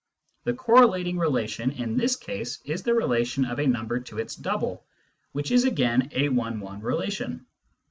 The correlating relation in this case is the relation of a number to its double, which is again a one one relation.